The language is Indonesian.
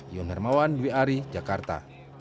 ion hermawan wiari jakarta